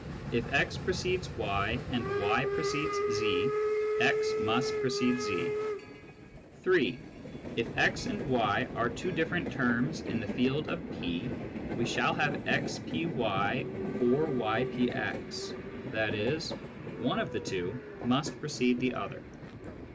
if x precedes y and y precedes z, x must precede z. (3) If x and y are two different terms in the field of P, we shall have x?y or yPx, i.e. one of the two must precede the other.